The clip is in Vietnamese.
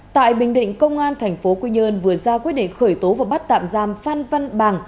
tại bình định công an thành phố quy nhơn vừa ra quyết định khởi tố và bắt tạm giam phan văn bằng